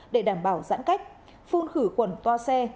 để đảm bảo giãn cách phun khử khuẩn toa xe